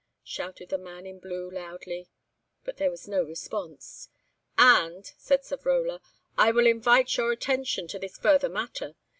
shouted the man in blue loudly; but there was no response. "And," said Savrola, "I will invite your attention to this further matter.